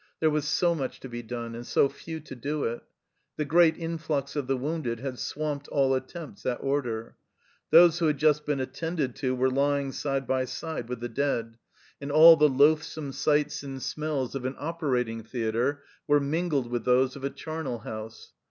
There was so much to be done and so few to do it. The great influx of the wounded had swamped all attempts at order. Those who had just been attended to were lying side by side with the dead, and all the loathsome sights and smells of an 64 THE CELLAR HOUSE OF PERVYSE operating theatre were mingled with those of a charnel house.